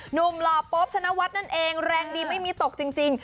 หล่อโป๊บธนวัฒน์นั่นเองแรงดีไม่มีตกจริง